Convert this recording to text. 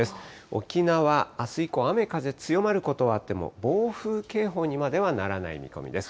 沖縄、あす以降、雨風強まることはあっても、暴風警報までにはならない見込みです。